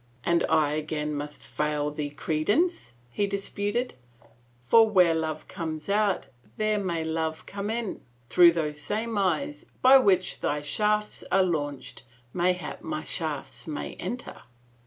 " And I again must fail thee credence," he disputed. *' For where love comes out, there may love come in. Through those same eyes, by which thy shafts are launched, mayhap my shafts may enter."